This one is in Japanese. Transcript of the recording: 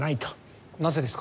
なぜですか？